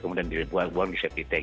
kemudian dibuang buang di sitt tank